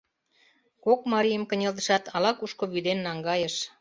Кок марийым кынелтышат, ала-кушко вӱден наҥгайыш.